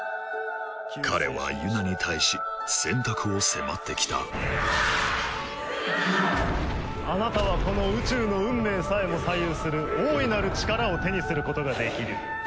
彼はユナに対し選択を迫ってきたあなたはこの宇宙の運命さえも左右する大いなる力を手にすることができる。